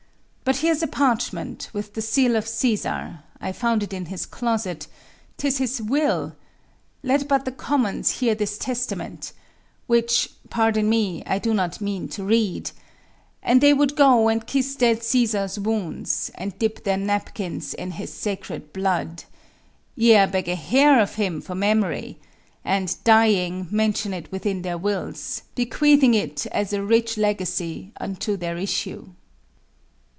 But here's a parchment, with the seal of Cæsar; I found it in his closet; 'tis his will: Let but the commons hear this testament Which, pardon me, I do not mean to read And they would go and kiss dead Cæsar's wounds, And dip their napkins in his sacred blood; Yea, beg a hair of him for memory, And, dying, mention it within their wills, Bequeathing it as a rich legacy Unto their issue.